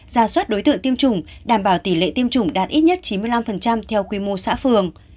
ra soát đối tượng tiêm chủng đảm bảo tỷ lệ tiêm chủng đạt ít nhất chín mươi năm theo quy mô xã phường